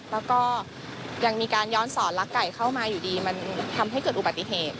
แล้วก็ยังมีการย้อนสอนลักไก่เข้ามาอยู่ดีมันทำให้เกิดอุบัติเหตุ